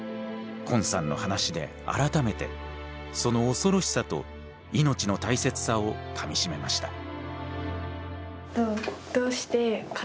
昆さんの話で改めてその恐ろしさと命の大切さをかみしめました。